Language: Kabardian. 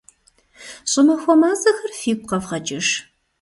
ЩӀымахуэ мазэхэр фигу къэвгъэкӀыж.